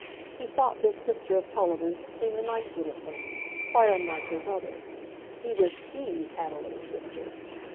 He thought this sister of Tulliver's seemed a nice little thing, quite unlike her brother; he wished he had a little sister.